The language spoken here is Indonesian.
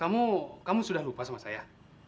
kamu kamu sudah lupa sama saya